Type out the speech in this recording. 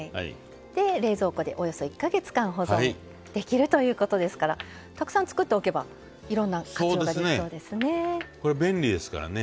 冷蔵庫で、およそ１か月間保存できるということですからたくさん作っておけばいろんな活用ができそうですね。